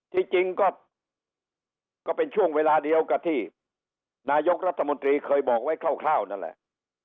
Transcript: ที่จริงก็เป็นช่วงเวลาเดียวกับที่นายกรัฐมนตรีเคยบอกไว้คร่าวนั่นแหละ